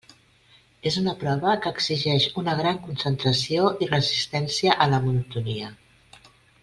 És una prova que exigeix una gran concentració i resistència a la monotonia.